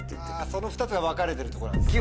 その２つが分かれてるところなんですね。